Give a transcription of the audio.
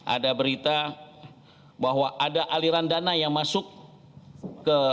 ada berita bahwa ada aliran dana yang masuk ke